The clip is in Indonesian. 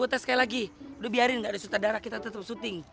gue tes sekali lagi udah biarin gak ada suta darah kita tetep syuting